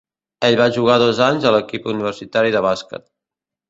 Ell va jugar dos anys a l'equip universitari de basquet.